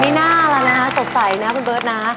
มีหน้าแล้วนะสดใสนะคุณเบิร์ตนะ